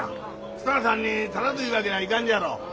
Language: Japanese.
スターさんにタダというわけにはいかんじゃろ。